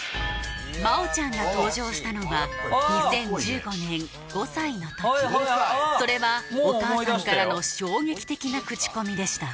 真央ちゃんが登場したのは２０１５年５歳のときそれはお母さんからの衝撃的なクチコミでした